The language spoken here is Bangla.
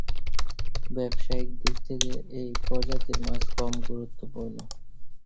ব্যবসায়িক দিক থেকে এই প্রজাতির মাছ কম গুরুত্বপূর্ণ।